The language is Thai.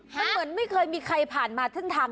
เหมือนไม่เคยมีใครผ่านมาทางนี้เลยนะครับ